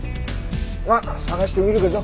まあ捜してみるけど。